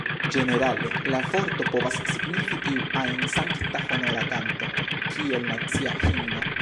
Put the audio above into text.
Ĝenerale, la vorto povas signifi iu ajn sankta honora kanto, kiel nacia himno.